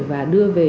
và đưa về